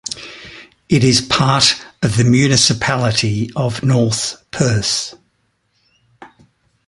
It is part of the Municipality of North Perth.